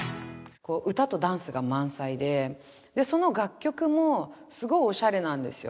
こう歌とダンスが満載ででその楽曲もすごいおしゃれなんですよ